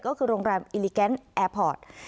ก็คือโรงแรมอิลิแกนแอร์พอร์ต